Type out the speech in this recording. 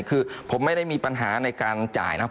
คือผมไม่ได้มีปัญหาในการจ่ายนะ